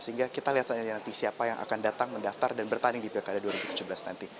sehingga kita lihat saja nanti siapa yang akan datang mendaftar dan bertanding di pilkada dua ribu tujuh belas nanti